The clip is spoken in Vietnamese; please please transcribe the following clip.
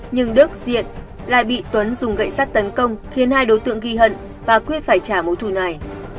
nhưng đức diện lại bị tuấn dùng gậy sắt tấn công khiến hai đối tượng ghi hận và quyết phải trả mối thủ này